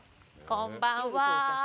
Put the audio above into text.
こんばんは。